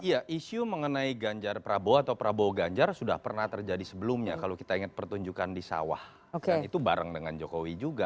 iya isu mengenai ganjar prabowo atau prabowo ganjar sudah pernah terjadi sebelumnya kalau kita ingat pertunjukan di sawah dan itu bareng dengan jokowi juga